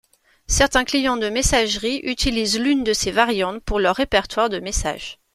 Certains clients de messagerie utilisent l'une de ces variantes pour leurs répertoires de messages.